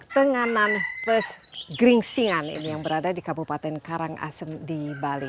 tenganan pegeringsingan ini yang berada di kabupaten karangasem di bali